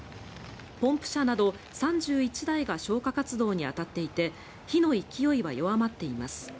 ポンプ車など３１台が消火活動に当たっていて火の勢いは弱まっています。